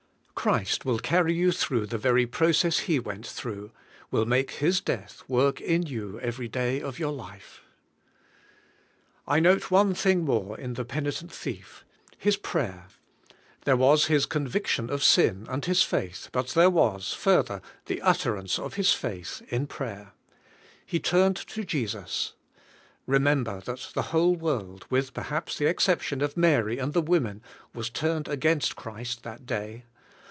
Christ will carry you through the very process He w ent through; will make His death work in you every day of your life. I note one thing more in the penitent thief — his prayer. There was his conviction of sin, and his faith, but there was5further, the utterance of his DEAD WITH CHRIST 127 faith in prayer. He turned to Jesus. Remember tliat the whole world, with perhaps the exception of Mary and the women, was turned against Christ that day.